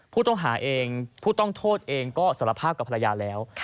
ผู้ต้องหาเองผู้ต้องโทษเองก็สารภาพกับภรรยาแล้ว